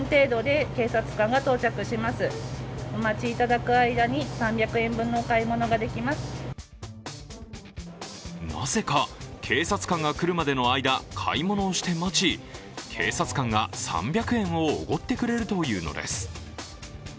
更になぜか警察官が来るまでの間、買い物をして待ち警察官が３００円をおごってくれるというのです。